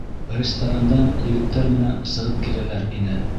Ресторандан егеттәр менән сығып киләләр ине.